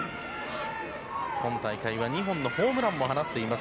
今大会は２本のホームランも放っています